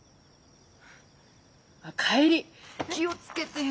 帰り気を付けてよ。